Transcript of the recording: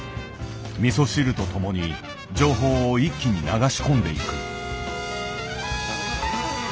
みそ汁と共に情報を一気に流し込んでいく。